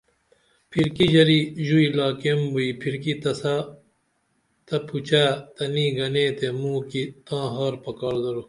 پھرکی ژری ژوئی لاکیم بوئی پھرکی تسہ تہ پوچے تنی گنے تے موکی تاں ہار پکار درو